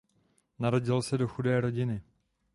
Narodil se do chudé rodiny.